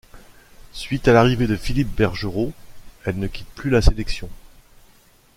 Suite à l'arrivée de Philippe Bergeroo, elle ne quitte plus la sélection.